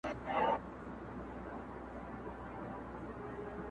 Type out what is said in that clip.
موږ ګټلي دي جنګونه-